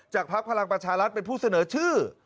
จากภัคพลังประชาแลกเป็นผู้เสนอชื่อ